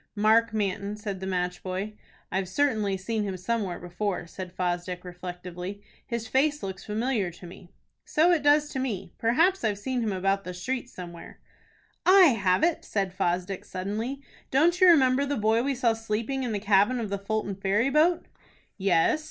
"Mark Manton," said the match boy. "I've certainly seen him somewhere before," said Fosdick, reflectively. "His face looks familiar to me." "So it does to me. Perhaps I've seen him about the streets somewhere." "I have it," said Fosdick, suddenly; "don't you remember the boy we saw sleeping in the cabin of the Fulton Ferry boat?" "Yes."